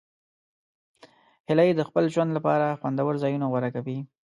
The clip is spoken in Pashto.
هیلۍ د خپل ژوند لپاره خوندور ځایونه غوره کوي